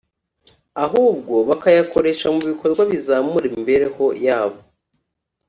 ahubwo bakayakoresha mu bikorwa bizamura imibereho yabo